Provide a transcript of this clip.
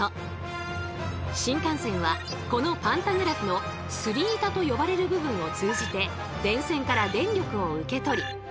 新幹線はこのパンタグラフのスリ板と呼ばれる部分を通じて電線から電力を受け取り